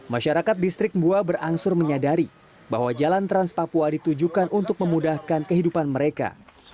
masyarakat distrik mbua berangsur menyadari bahwa jalan trans papua ditujukan untuk memudahkan kehidupan mereka